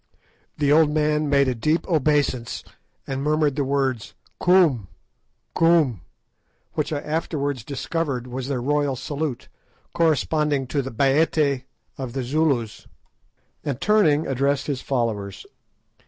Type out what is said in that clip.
The old man made a deep obeisance, and murmured the words, "Koom Koom," which I afterwards discovered was their royal salute, corresponding to the Bayéte of the Zulus, and turning, addressed his followers.